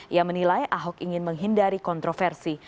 ia menilai ahok ingin menghindari kontroversi